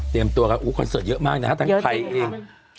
เตรียมตัวกันคอนเสิร์ตเยอะมากนะครับทั้งใครเอง